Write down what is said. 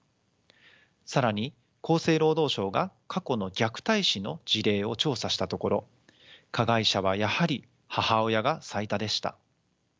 更に厚生労働省が過去の虐待死の事例を調査したところ加害者はやはり母親が最多でした。